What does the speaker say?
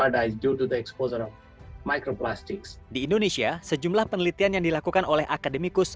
di indonesia sejumlah penelitian yang dilakukan oleh akademikus